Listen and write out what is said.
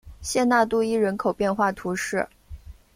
谢讷杜伊人口变化图示